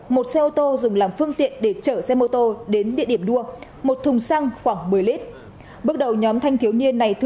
một xe ô tô dùng làm phương tiện để chở xe mô tô đến địa điểm đua một thùng xăng khoảng một mươi lít